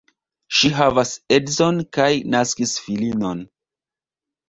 Ŝi havas edzon kaj naskis filinon.